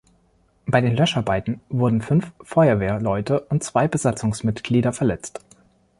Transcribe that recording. Bei den Löscharbeiten wurden fünf Feuerwehrleute und zwei Besatzungsmitglieder verletzt.